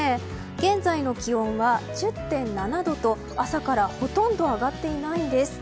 現在の気温は１０．７度と朝からほとんど上がっていないんです。